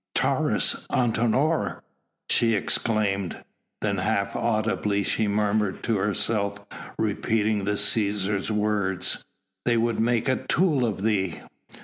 "Taurus Antinor!" she exclaimed. Then half audibly she murmured to herself, repeating the Cæsar's words: "They would make a tool of thee!"